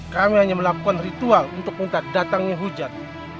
kami hanya melakukan ritual untuk muntah datangnya hujan